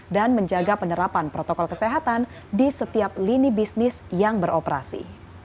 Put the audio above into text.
dan menjaga penerapan protokol kesehatan di setiap lini bisnis yang beroperasi